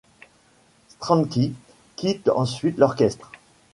Stránský quitte ensuite l'orchestre.